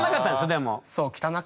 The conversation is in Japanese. でも。